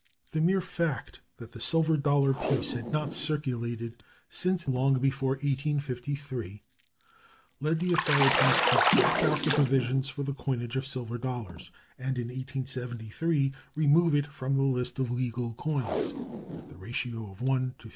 The mere fact that the silver dollar piece had not circulated since even long before 1853 led the authorities to drop out the provisions for the coinage of silver dollars and in 1873 remove it from the list of legal coins (at the ratio of 1 to 15.